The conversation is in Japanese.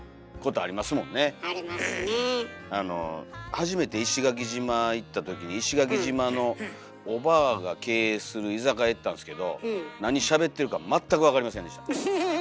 初めて石垣島行ったときに石垣島のおばぁが経営する居酒屋行ったんですけど何しゃべってるか全く分かりませんでした。